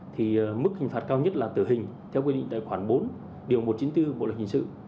thì mức hình phạt cao nhất là tử hình theo quy định tài khoản bốn điều một trăm chín mươi bốn bộ luật hình sự